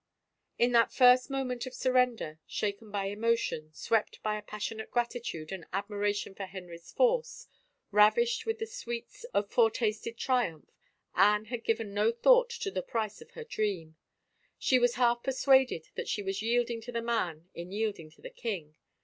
In that first moment of surrender, shaken by emotion, swept by a passionate gratitude and admiration for Henry's force, ravished with the sweets of foretasted triumphs, Anne had given no thought to the price of her dream. She was half persuaded that she was yielding to the man in yielding to the king.